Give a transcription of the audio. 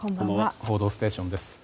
「報道ステーション」です。